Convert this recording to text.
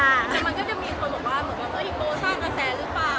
แต่มันก็จะมีคนบอกว่าอิงโบสร์สร้างกระแสหรือเปล่า